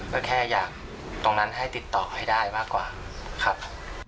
ก็แค่อยากตรงนั้นให้ติดต่อให้ได้มากกว่าครับ